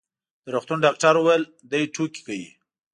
د روغتون ډاکټر وویل: دی ټوکې کوي.